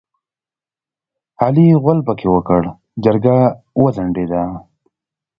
علي غول پکې وکړ؛ جرګه وځنډېده.